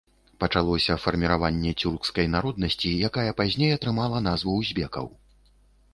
Пачалося фарміраванне цюркскай народнасці, якая пазней атрымала назву узбекаў.